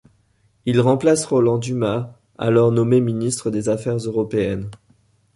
Il remplace Roland Dumas alors nommé ministre des Affaires européennes.